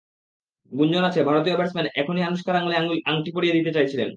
গুঞ্জন আছে, ভারতীয় ব্যাটসম্যান এখনই আনুশকার আঙুলে আংটি পরিয়ে দিতে চাইছিলেন।